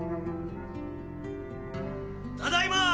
ただいまー！